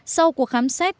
sau cuộc khám xét